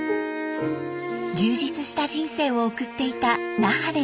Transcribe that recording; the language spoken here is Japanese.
充実した人生を送っていた那覇での日々。